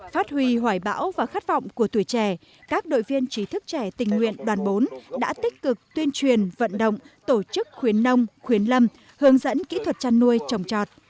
phát huy hoài bão và khát vọng của tuổi trẻ các đội viên trí thức trẻ tình nguyện đoàn bốn đã tích cực tuyên truyền vận động tổ chức khuyến nông khuyến lâm hướng dẫn kỹ thuật chăn nuôi trồng trọt